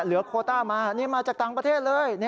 โคต้ามานี่มาจากต่างประเทศเลย